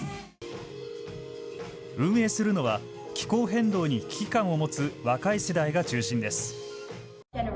運営するのは気候変動に危機感を持つ若い世代が中心です。